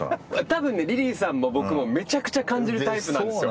たぶんリリーさんも僕もめちゃくちゃ感じるタイプです。